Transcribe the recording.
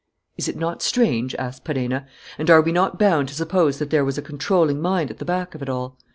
"Is it not strange?" asked Perenna, "and are we not bound to suppose that there was a controlling mind at the back of it all?